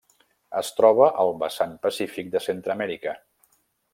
Es troba al vessant pacífic de Centreamèrica.